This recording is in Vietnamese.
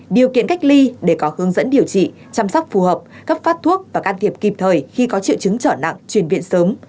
điều kiện cách ly để có hướng dẫn điều trị chăm sóc phù hợp cấp phát thuốc và can thiệp kịp thời khi có triệu chứng trở nặng chuyển viện sớm